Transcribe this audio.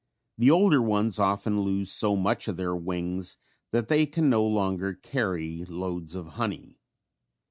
The older ones often lose so much of their wings, that they can no longer carry loads of honey.